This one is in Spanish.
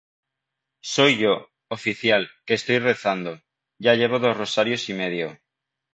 soy yo, oficial, que estoy rezando. ya llevo dos rosarios y medio.